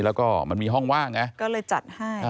แล้วก็มันมีห้องว่างนะ